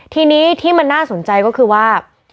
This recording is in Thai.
ทีนี้ที่มันน่าสนใจก็คือว่า